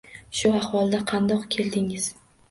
Shu ahvolda qandoq keldingiz?